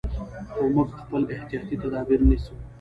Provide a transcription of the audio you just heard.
خو موږ خپل احتیاطي تدابیر نیسو.